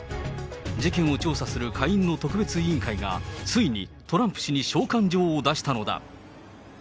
事件を調査する下院の特別委員会が、ついにトランプ氏に召喚状を出したのだ。